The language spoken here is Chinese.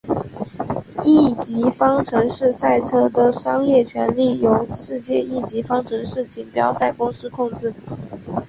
一级方程式赛车的商业权利由世界一级方程式锦标赛公司控制。